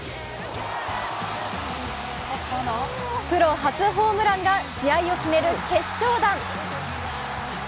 プロ初ホームランが試合を決める決勝弾。